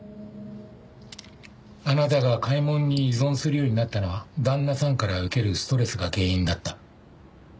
あなたが買い物に依存するようになったのは旦那さんから受けるストレスが原因だった。